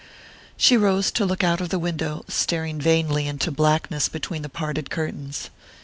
She rose to look out of the window, staring vainly into blackness between the parted curtains.